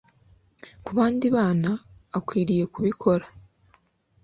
Kubandi bana akwiriye kubikora